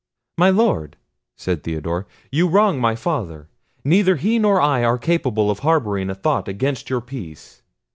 "My Lord," said Theodore, "you wrong my father: neither he nor I are capable of harbouring a thought against your peace.